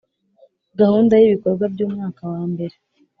gahunda y ibikorwa by umwaka wa mbere